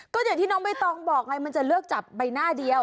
ก็อย่างที่น้องใบตองบอกไงมันจะเลือกจับใบหน้าเดียว